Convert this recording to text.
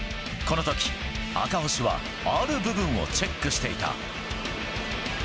この時、赤星はある部分をチェックしていた。